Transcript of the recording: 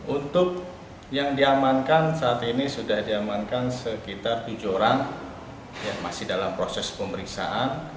untuk yang diamankan saat ini sudah diamankan sekitar tujuh orang yang masih dalam proses pemeriksaan